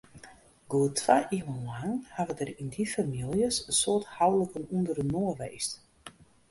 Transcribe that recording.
Goed twa iuwen lang hawwe der yn dy famyljes in soad houliken ûnderinoar west.